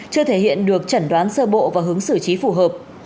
chưa thể hiện được chẩn đoán sơ bộ và hướng xử trí phù hợp